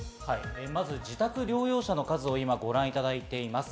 まず自宅療養者の数を今ご覧いただいています。